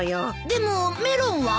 でもメロンは？